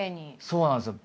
そうなんですよ。